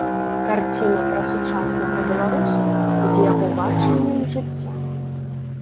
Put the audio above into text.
Карціна пра сучаснага беларуса, з яго бачаннем жыцця.